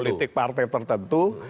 politik partai tertentu